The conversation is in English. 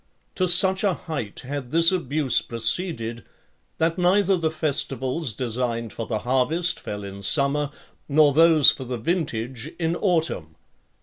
To such a height had this abuse proceeded, that neither the festivals designed for the harvest fell in summer, nor those for the vintage in autumn.